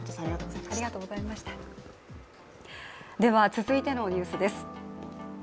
続いてのニュースです。